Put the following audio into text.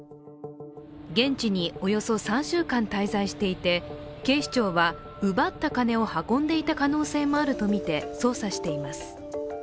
現地におよそ３週間滞在していて、警視庁は奪った金を運んでいた可能性もあるとみて捜査しています。